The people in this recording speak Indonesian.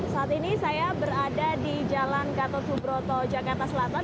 saat ini saya berada di jalan gatot subroto jakarta selatan